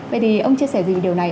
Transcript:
vậy thì ông chia sẻ gì về điều này